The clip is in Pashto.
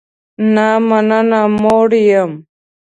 نه مننه، موړ یم